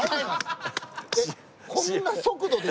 こんな速度で。